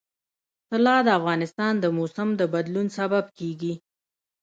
طلا د افغانستان د موسم د بدلون سبب کېږي.